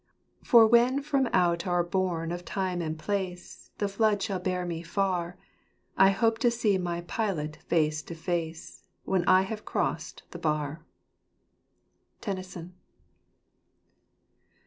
For when from out our bourne of time and place, The flood shall bear me far, I hope to see my Pilot face to face. When I have crossed the bar." Tennyson.